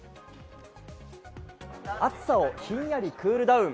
暑さをひんやりクールダウン。